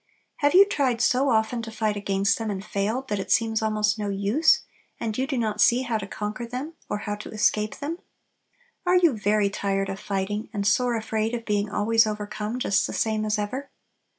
Have you tried so often to fight against them, and failed, that it seems almost no use, and you do not see how to conquer them or to escape them? Are you very tired of fighting, and "sore afraid" of being always overcome just the same as ever?